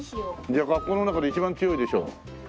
じゃあ学校の中で一番強いでしょ？